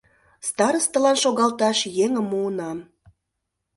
Старостылан шогалташ еҥым муынам.